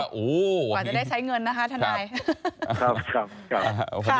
กว่าจะได้ใช้เงินนะคะทนาย